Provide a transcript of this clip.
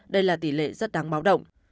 đây là tỷ lệ rất đáng báo động